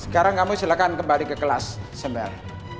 sekarang kamu silakan kembali ke kelas sembar